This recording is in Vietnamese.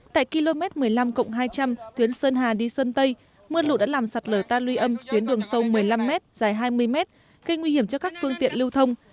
tại km một mươi năm hai trăm linh tuyến sơn hà đi sơn tây mưa lụt đã làm sạt lở ta luy âm tuyến đường sâu một mươi năm m dài hai mươi mét gây nguy hiểm cho các phương tiện lưu thông